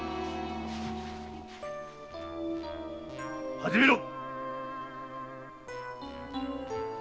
始めろ！